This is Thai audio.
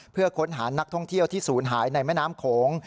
เพื่อค้นหานักท่องเที่ยวที่ศูนย์หายในแม่น้ำโขง